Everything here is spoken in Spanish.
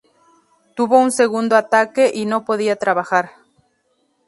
Tuvo un segundo ataque, y no podía trabajar.